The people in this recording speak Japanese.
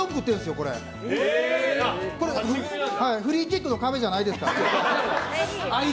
これ、フリーキックの壁じゃないですからね。